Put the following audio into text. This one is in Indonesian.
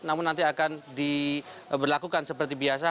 namun nanti akan diberlakukan seperti biasa